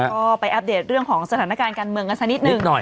ก็ไปอัปเดตเรื่องของสถานการณ์การเมืองกันสักนิดหนึ่งหน่อย